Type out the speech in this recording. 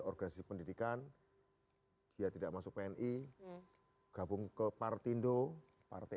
perkes pathway ke cristi karena si pendidikan jadi tidak masuk pni gabung ke partindo partai